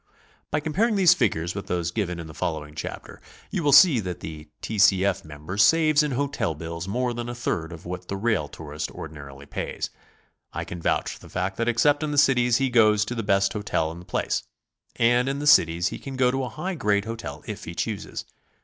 By comparing these figures with those given in the fol lowing chapter, you will see that the T. C. F. member saves in hotel bills more than a third of what the rail tourist ordi narily pays. I can vouch for the fact that except in the cities he goes to the best hotel in the place, and in the cities he can go to a high grade hotel if he chooses.